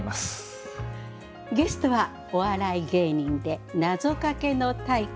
ゲストはお笑い芸人でなぞかけの大家